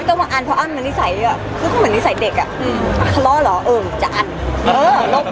เพื่อนก็เกิดไปพิเศษกับคนที่คับอย่างที่คำถาม